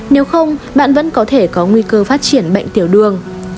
nếu không bạn vẫn có thể có nguy cơ phát triển bệnh tiểu đường